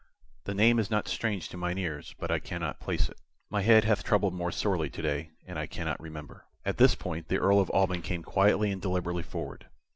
"The name is not strange to mine ears, but I cannot place it. My head hath troubled me sorely to day, and I cannot remember." At this point the Earl of Alban came quietly and deliberately forward.